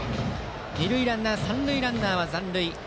二塁ランナーと三塁ランナーは残塁。